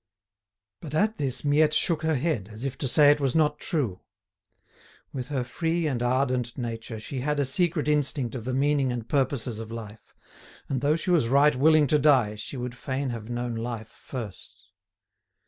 But at this Miette shook her head, as if to say it was not true. With her free and ardent nature she had a secret instinct of the meaning and purposes of life, and though she was right willing to die she would fain have known life first.